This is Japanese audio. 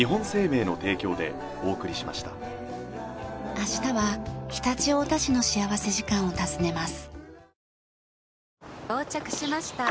明日は常陸太田市の幸福時間を訪ねます。